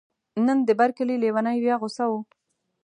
نن د بر کلي لیونی بیا غوصه و.